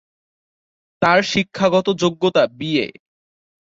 তার শিক্ষাগত যোগ্যতা বিএ।